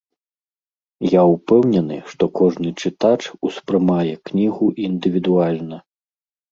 Я ўпэўнены, што кожны чытач успрымае кнігу індывідуальна.